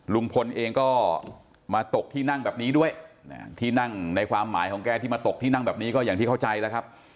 ลุงพลเองก็มาตกที่นั่งแบบนี้ด้วยที่นั่งในความหมายของแกที่มาตกที่นั่งแบบนี้ก็อย่างที่เข้าใจแล้วครับ